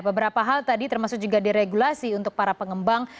beberapa hal tadi termasuk juga deregulasi untuk para pengembang